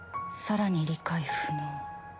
更に理解不能。